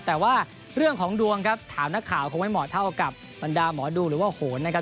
แต่ว่าเรื่องของดวงครับถามนักข่าวคงไม่เหมาะเท่ากับบรรดาหมอดูหรือว่าโหนนะครับ